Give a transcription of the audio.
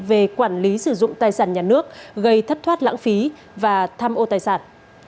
về quản lý sử dụng tài sản nhà nước gây thất thoát lãng phí và tham ô tài sản